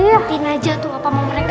ngapain aja tuh apaan mereka